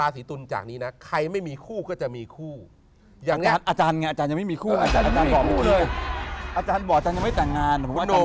อาจารย์บอกว่าอาจารย์ยังไม่แต่งงาน